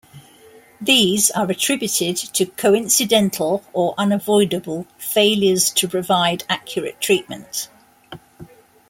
These are attributed to coincidental or unavoidable failures to provide accurate treatment.